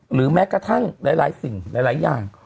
หรือแม้กระทั่งหลายสิ่งหลายอย่าง